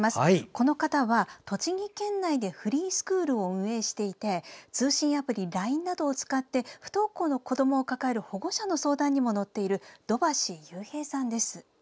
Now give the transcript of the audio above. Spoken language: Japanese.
この方は、栃木県内でフリースクールを運営していて通信アプリＬＩＮＥなどを使って不登校の子どもを抱える保護者の相談にも乗っている土橋優平さんです。